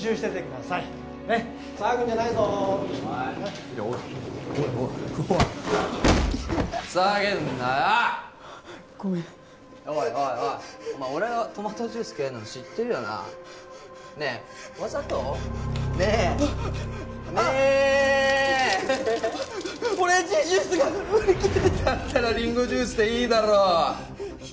だったらリンゴジュースでいいだろ！